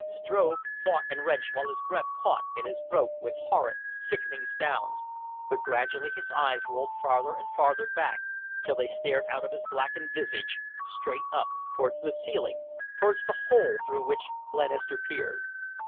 Struve fought and wrenched while his breath caught in his throat with horrid, sickening sounds, but gradually his eyes rolled farther and farther back till they stared out of his blackened visage, straight up towards the ceiling, towards the hole through which Glenister peered.